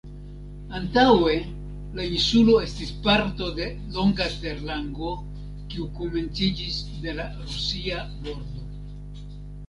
Antaŭe la insulo estis parto de longa terlango, kiu komenciĝis de la Rusia bordo.